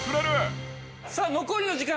さあ残りの時間